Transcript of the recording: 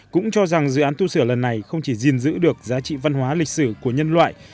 cũng cho rằng dự án tu sửa lần này không chỉ gìn giữ được giá trị văn hóa lịch sử của nhân loại